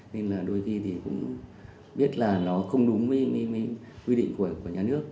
nên là đôi khi thì cũng biết là nó không đúng với quy định của nhà nước